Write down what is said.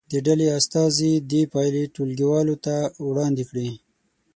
د ډلې استازي دې پایلې ټولګي والو ته وړاندې کړي.